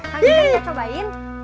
kang idennya cobain